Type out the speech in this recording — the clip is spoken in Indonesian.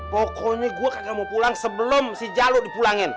pokoknya gue gak mau pulang sebelum si jaluk dipulangin